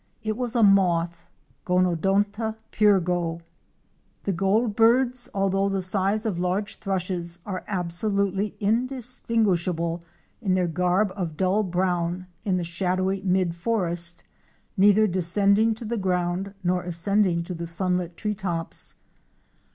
It was a moth, Gonodonta pyrgo. The Goldbirds,'" although the size of large Thrushes, are absolutely indistinguishable in their garb of dull brown in the shadowy mid forest, neither descending to the ground nor ascending to the sun lit tree tops.